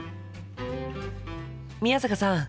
宮坂さん